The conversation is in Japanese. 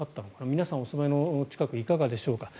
皆さん、お住まいの近くはいかがでしょうか。